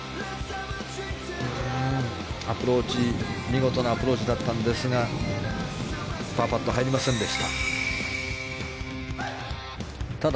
見事なアプローチだったんですがパーパット、入りませんでした。